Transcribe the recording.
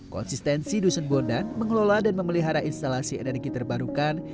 konsistensi dusun bondan mengelola dan memelihara instalasi energi terbarukan